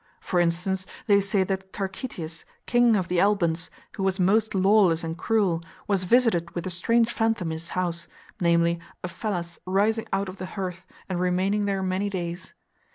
For instance, they say that Tarchetius, king of the Albans, who was most lawless and cruel, was visited with a strange phantom in his house, namely, a phallus rising out of the hearth and remain ing there many days.